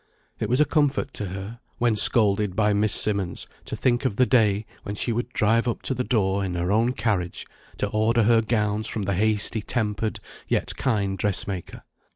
It was a comfort to her, when scolded by Miss Simmonds, to think of the day when she would drive up to the door in her own carriage, to order her gowns from the hasty tempered yet kind dressmaker.